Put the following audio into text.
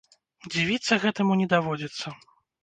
Дзівіцца гэтаму не даводзіцца.